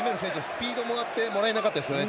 スピードもらえなかったですね。